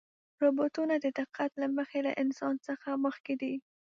روبوټونه د دقت له مخې له انسان څخه مخکې دي.